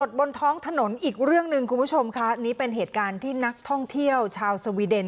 บนท้องถนนอีกเรื่องหนึ่งคุณผู้ชมค่ะนี่เป็นเหตุการณ์ที่นักท่องเที่ยวชาวสวีเดน